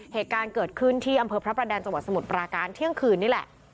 เหตุการณ์เกิดขึ้นที่อำเภอพระประแดงจังหวัดสมุทรปราการเที่ยงคืนนี่แหละ